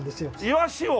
イワシを！